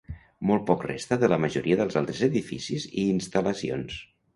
Molt poc resta de la majoria dels altres edificis i instal·lacions.